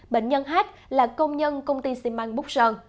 bệnh nhân h là công nhân công ty xi măng búc sơn